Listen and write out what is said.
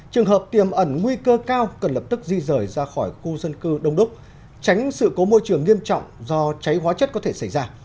trường hợp tiềm ẩn nguy cơ cao cần lập tức di rời ra khỏi khu dân cư đông đúc tránh sự cố môi trường nghiêm trọng do cháy hóa chất có thể xảy ra